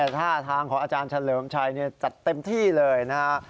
ท่าทางของอาจารย์เฉลิมชัยจัดเต็มที่เลยนะฮะ